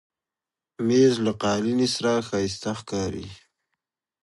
مېز له قالینې سره ښایسته ښکاري.